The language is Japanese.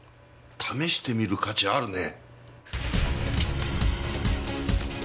試してみる価値あるね。